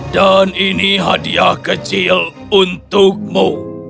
dan ini hadiah kecil untukmu